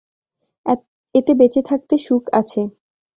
এতে বেঁচে থাকতে সুখ আছে।